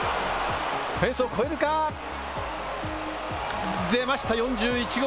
フェンスを越えるか。出ました、４１号。